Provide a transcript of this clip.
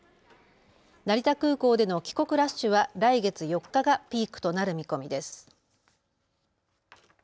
成田空港での帰国ラッシュは来月４日がピークとなる見込みです。